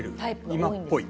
今っぽい？